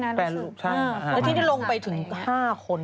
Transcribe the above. ช่างอาหารสัตว์และที่ได้ลงไปถึง๕คน